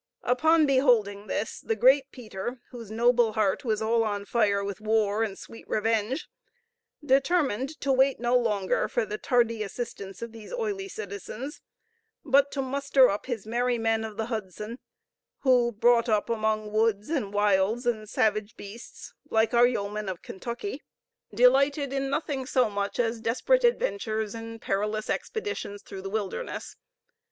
Upon beholding this, the great Peter, whose noble heart was all on fire with war, and sweet revenge, determined to wait no longer for the tardy assistance of these oily citizens, but to muster up his merry men of the Hudson, who, brought up among woods, and wilds, and savage beasts, like our yeomen of Kentucky, delighted in nothing so much as desperate adventures and perilous expeditions through the wilderness.